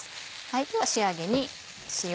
では仕上げに塩。